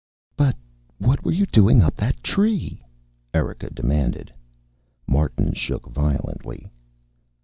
"But what were you doing up that tree?" Erika demanded. Martin shook violently.